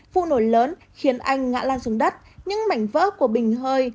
vụ nổ lớn khiến anh ngã lan xuống đất những mảnh vỡ của bình hơi